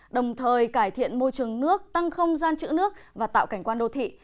đồng thời cải thiện môi trường nước tăng không gian chữ nước và tạo cảnh quan đô thị